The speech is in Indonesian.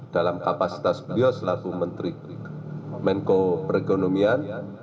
dalam kapasitas beliau selaku menteri menko perekonomian